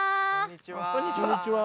こんにちは！